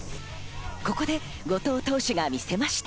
ここで後藤投手が見せました。